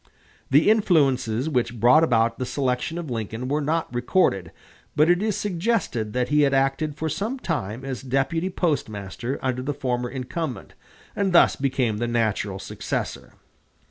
The influences which brought about the selection of Lincoln are not recorded, but it is suggested that he had acted for some time as deputy postmaster under the former incumbent, and thus became the natural successor.